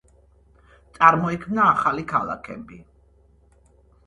წარმოიქმნა ახალი ქალაქები.